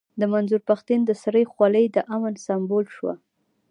د منظور پښتين د سر خولۍ د امن سيمبول شوه.